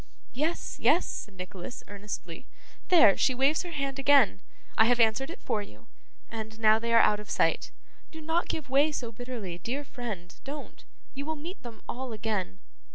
'Yes, yes!' said Nicholas earnestly. 'There! She waves her hand again! I have answered it for you and now they are out of sight. Do not give way so bitterly, dear friend, don't. You will meet them all again.